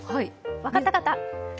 分かった方？